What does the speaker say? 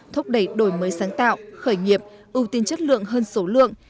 thúc đẩy đổi mới sáng tạo khởi nghiệp ưu tiên chất lượng hơn số lượng